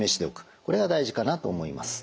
これが大事かなと思います。